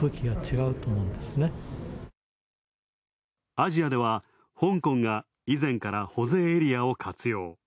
アジアでは、香港が以前から保税エリアを活用。